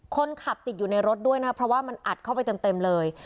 คนขับติดอยู่ในรถด้วยนะครับเพราะว่ามันอัดเข้าไปเต็มเลย